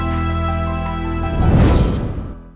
ได้ครับ